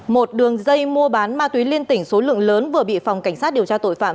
một đường dây mua bán ma túy liên tỉnh số lượng lớn vừa bị phòng cảnh sát điều tra tội phạm